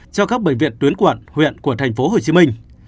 cho các bệnh viện tuyến quận huyện của thành phố hồ chí minh